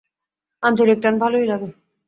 আঞ্চলিক টান ভালোই লাগে।